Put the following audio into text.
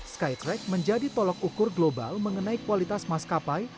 skytrack menjadi tolok ukur global mengenai kualitas maskapai